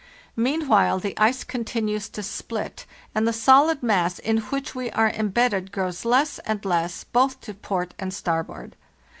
Meanwhile the ice continues to split, and the solid mass in which we are embedded grows less and less, both to port and starboard.